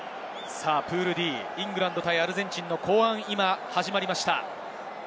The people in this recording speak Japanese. プールＤ、イングランドとアルゼンチンの後半が始まりました。